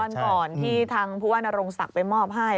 ก่อนที่ทางผู้ว่านรงศักดิ์ไปมอบให้